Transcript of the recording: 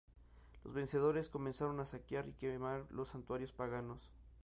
Los vencedores comenzaron a saquear y quemar los santuarios paganos.